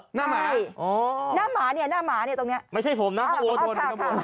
หน้าหมาอ๋อหน้าหมาเนี่ยตรงนี้ไม่ใช่ผมน่ะข้างบน